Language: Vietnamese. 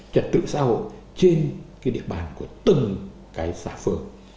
trật tự xã hội trên cái địa bàn của từng cái xã phường